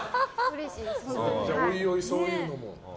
追い追い、そういうのも。